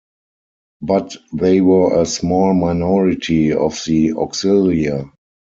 But they were a small minority of the "auxilia".